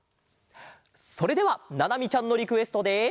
それではななみちゃんのリクエストで。